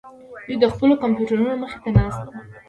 دوی د خپلو کمپیوټرونو مخې ته ناست وو